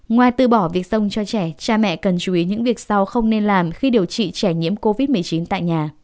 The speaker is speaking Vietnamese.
ngoài từ bỏ việc sông cho trẻ cha mẹ cần chú ý những việc sau không nên làm khi điều trị trẻ nhiễm covid một mươi chín tại nhà